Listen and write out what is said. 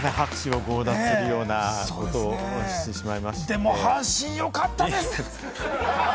でも、阪神よかったですね！